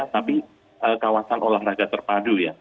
tapi kawasan olahraga terpadu ya